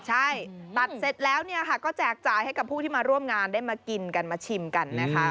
ใช่ตัดเสร็จแล้วเนี่ยค่ะก็แจกจ่ายให้กับผู้ที่มาร่วมงานได้มากินกันมาชิมกันนะคะ